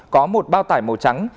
có một bao tải màu trắng